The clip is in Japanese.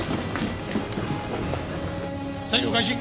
作業開始。